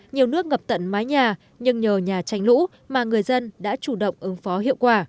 nhiều nước ngập tận mái nhà nhưng nhờ nhà tránh lũ mà người dân đã chủ động ứng phó hiệu quả